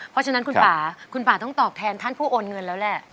เพราะฉะนั้นคุณป่าคุณป่าต้องตอบแทนท่านผู้โอนเงินแล้วแหละ